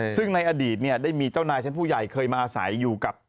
ซึ่งในอดีตเนี่ยได้มีเจ้านายชั้นผู้ใหญ่เคยมาอาศัยอยู่กับ